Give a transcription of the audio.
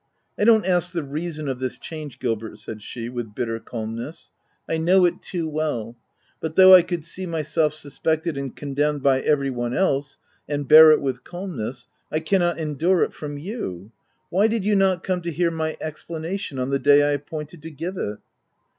" I don't ask the reason of this change, Gil bert/' said she with bitter calmness. —" I know it too well ; but though I could see myself sus pected and condemned by every one else, and bear it with calmness, I cannot endure it from you — Why did you not come to hear my expla nation on the day I appointed to give it